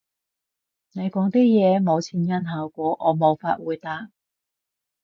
你講啲嘢冇前因後果，我無法回答